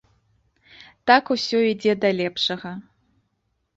Так усё ідзе да лепшага.